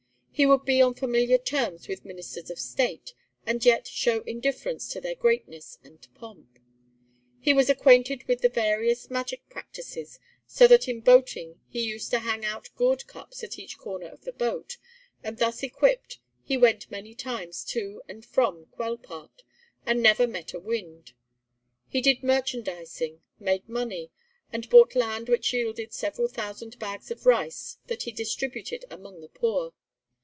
He would be on familiar terms with Ministers of State, and yet show indifference to their greatness and pomp. He was acquainted with the various magic practices, so that in boating he used to hang out gourd cups at each corner of the boat, and thus equipped he went many times to and from Quelpart and never met a wind. He did merchandising, made money, and bought land which yielded several thousand bags of rice that he distributed among the poor.